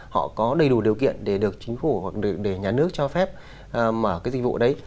họ có đầy đủ điều kiện để được chính phủ hoặc để nhà nước cho phép mở cái dịch vụ đấy